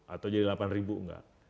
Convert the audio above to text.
atau jadi delapan ribu enggak